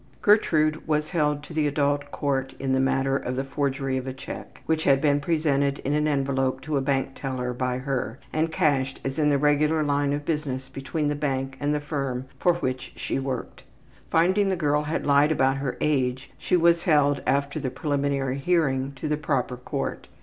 Gertrude was held to the adult court in the matter of the forgery of a check, which had been presented in an envelope to a bank teller by her and cashed as in the regular line of business between the bank and the firm for which she worked. Finding the girl had lied about her age, she was held, after the preliminary hearing, to the proper court.